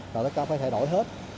tất cả phải thay đổi hết